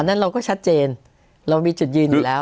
นั้นเราก็ชัดเจนเรามีจุดยืนอยู่แล้ว